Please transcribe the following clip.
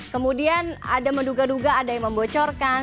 kemudian ada menduga duga ada yang membocorkan